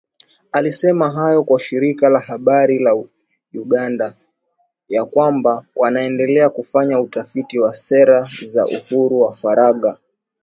Alisema hayo kwa shirika la habari la Uganda, ya kwamba wanaendelea kufanya utafiti wa sera za uhuru wa faragha.